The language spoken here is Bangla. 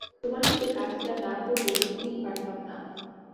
তোমার সাথে কাজটা না করলে বুঝতেই পারতাম না।